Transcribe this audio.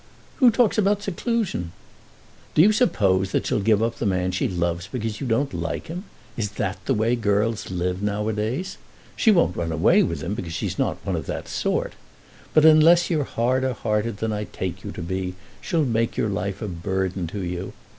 "Who talks about seclusion?" "Do you suppose that she'll give up the man she loves because you don't like him? Is that the way girls live now a days? She won't run away with him, because she's not one of that sort; but unless you're harder hearted than I take you to be, she'll make your life a burden to you.